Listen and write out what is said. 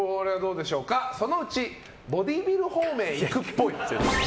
そのうちボディービル方面行くっぽい。